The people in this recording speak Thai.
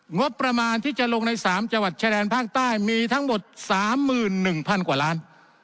งบประมาณที่จะลงใน๓จังหวัดชายแดนภาคใต้มีทั้งหมด๓๑๐๐๐กว่าล้าน